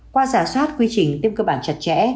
qua giả soát quy trình tiêm cơ bản chặt chẽ